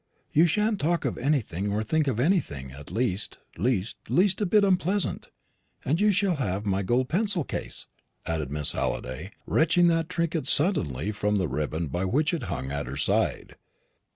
"You shan't talk of anything or think of anything the least, least, least bit unpleasant; and you shall have my gold pencil case," added Miss Halliday, wrenching that trinket suddenly from the ribbon by which it hung at her side.